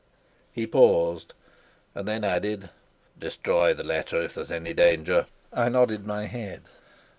He paused, and then added: "Destroy the letter if there's any danger." I nodded my head.